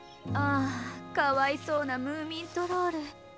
あかわいそうなムーミントロール。